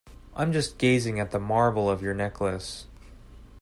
I'm just gazing at the marble of your necklace.